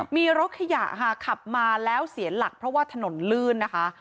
มีรถขยะค่ะขับมาแล้วเสียหลักเพราะว่าถนนลื่นนะคะ